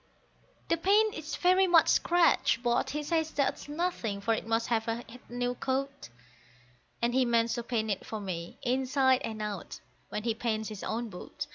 The paint is very much scratched, but he says that's nothing, for it must have had a new coat; And he means to paint it for me, inside and out, when he paints his own boat.